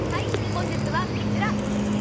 本日はこちら。